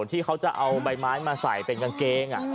ที่เขาจะเอาใบไม้มาใส่เป็นกางเกง